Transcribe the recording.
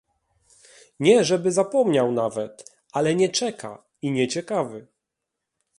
"Nie żeby zapomniał nawet, ale nie czeka i nie ciekawy."